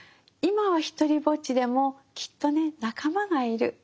今はひとりぼっちでもきっとね仲間がいる。